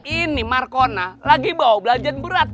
ini markona lagi bawa belanjaan berat